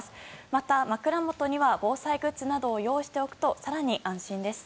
また、枕元には防災グッズなどを用意しておくと更に安心です。